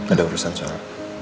ada urusan soal